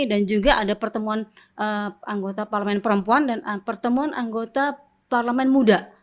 dan juga ada pertemuan anggota parlement perempuan dan pertemuan anggota parlement muda